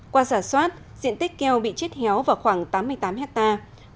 qua giả soát diện tích keo bị chết héo vào khoảng tám mươi tám hectare